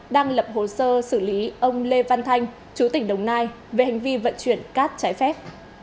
đang lập hồ sơ xử lý ông lê văn thanh chú tỉnh đồng nai về hành vi vận chuyển cát trái phép